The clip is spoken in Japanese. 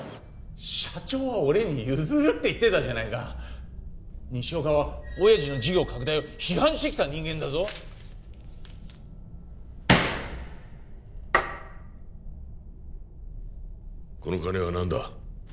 社長は俺に譲るって言ってたじゃないか西岡は親父の事業拡大を批判してきた人間だぞこの金は何だ？